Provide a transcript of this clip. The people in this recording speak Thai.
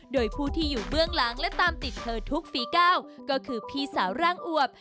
โดยผู้ที่อยู่เบื้องหลังและตามติดเธอทุกฝีก้าวก็คือพี่สาวร่างอวบ